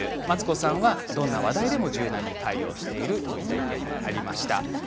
マツコさんは、どんな話題でも柔軟に対応しているという意見がありました。